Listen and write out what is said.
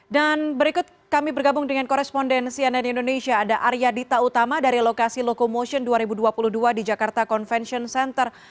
dan berikut kami bergabung dengan korespondensi ann indonesia ada arya dita utama dari lokasi locomotion dua ribu dua puluh dua di jakarta convention center